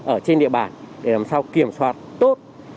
ở trên địa bàn để làm sao kiểm soát tốt